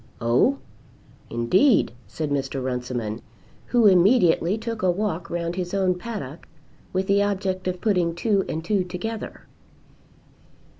"Oh, indeed," said Mr. Runciman, who immediately took a walk round his own paddock with the object of putting two and two together.